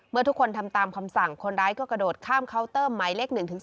เมื่อทุกคนทำตามคำสั่งคนร้ายก็กระโดดข้ามเคาน์เตอร์หมายเลข๑๒